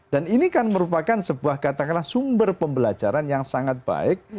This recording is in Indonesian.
dan ini kan merupakan sebuah katakanlah sumber pembelajaran yang sangat baik